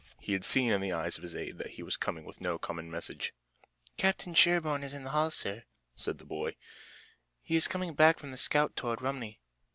He had seen in the eyes of his aide that he was coming with no common message. "Captain Sherburne is in the hall, sir," said the boy. "He has come back from the scout toward Romney."